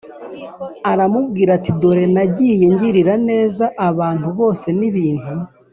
aramubwira ati Dore nagiye ngirira neza abantu bose n ibintu